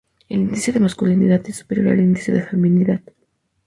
El indice de masculinidad es superior al indice de feminidad.